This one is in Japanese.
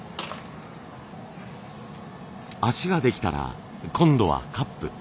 脚ができたら今度はカップ。